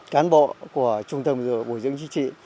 cán bộ của trung tâm bồi dưỡng chính trị